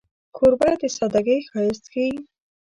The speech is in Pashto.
کوربه د سادګۍ ښایست ښيي.